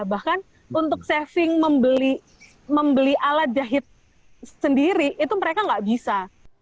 bahkan untuk saving membeli alat jahit sendiri itu mereka nggak bisa